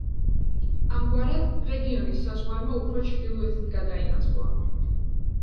ამგვარად, რეგიონის საზღვარმა უფრო ჩრდილოეთით გადაინაცვლა.